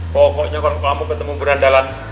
pokoknya kalau kamu ketemu berandalan